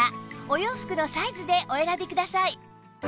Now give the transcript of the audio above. お洋服のサイズでお選びください